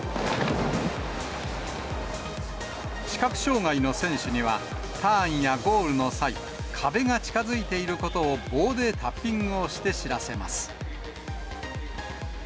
視覚障がいの選手には、ターンやゴールの際、壁が近づいていることを棒でタッピングをして知らせます。